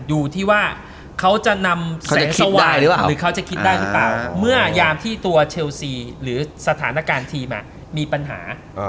อยู่ที่ว่าเขาจะนำแสงสว่างหรือเขาจะคิดได้หรือเปล่าเมื่อยามที่ตัวเชลซีหรือสถานการณ์ทีมมีปัญหา